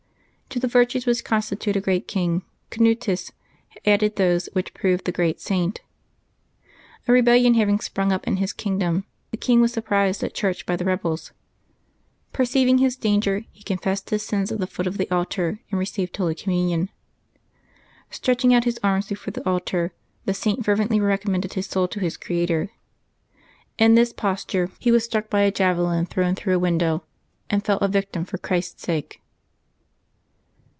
To the virtues which constitute a great king, Canutus added those which prove the great saint. A rebellion having sprung up in his king dom, the king was surprised at church by the rebels. Per ceiving his danger, he confessed his sins at the foot of the altar, and received Holy Communion. Stretching out his arms before the altar, the Saint fervently recommended his soul to his Creator; in this posture he was struck by a 42 LIVES OF THE SAINTS [Januaby 20 javelin thrown through a window, and fell a victim for Christ's sake.